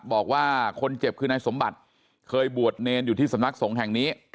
บอกว่าคนเจ็บคือนายสมบัติเคยบวชเนรอยู่ที่สำนักสงฆ์แห่งนี้